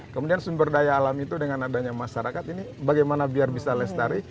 kemudian sumber daya alam itu dengan adanya masyarakat ini bagaimana biar bisa lestari